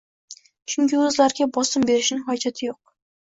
Chunki oʻzlariga bosim berishning hojati yoʻq.